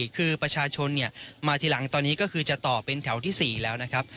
คือประชาชนมาทีหลังตอนนี้ก็คือจะต่อเป็นแถวที่๔แล้วนะครับ